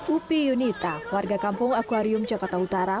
upi yunita warga kampung akwarium jakarta utara